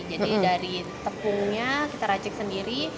jadi dari tepungnya kita racik sendiri